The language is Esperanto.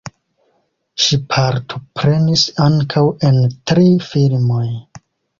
Ŝi partoprenis ankaŭ en tri filmoj.